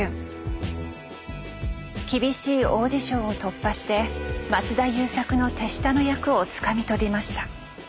厳しいオーディションを突破して松田優作の手下の役をつかみ取りました。